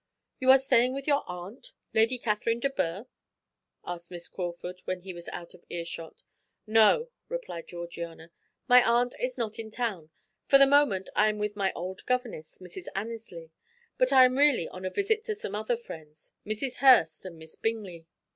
"You are staying with your aunt, Lady Catherine de Bourgh?" asked Miss Crawford, when he was out of earshot. "No," replied Georgiana, "my aunt is not in town. For the moment I am with my old governess, Mrs. Annesley, but I am really on a visit to some other friends, Mrs. Hurst and Miss Bingley."